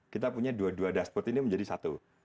kita punya dua dua dashboard ini menjadi satu